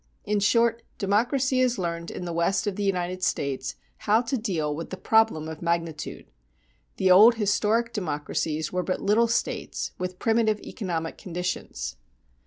In short, democracy has learned in the West of the United States how to deal with the problem of magnitude. The old historic democracies were but little states with primitive economic conditions.